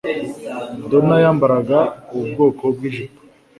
Donna yambaraga ubu bwoko bwijipo